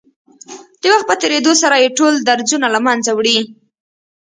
د وخت په تېرېدو سره يې ټول درځونه له منځه وړي.